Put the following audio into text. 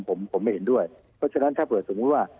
ผมผมไม่เห็นด้วยเพราะฉะนั้นถ้าเผื่อสมมุติว่า